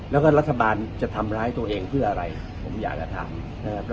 แล้วก็รัฐบาลจะทำร้ายตัวเองเพื่ออะไรผมอยากจะถาม